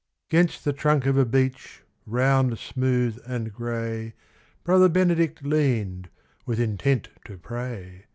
VI 'Gainst the trunk of a beech, round, smooth, and gray. Brother Benedict leaned, with intent to pray.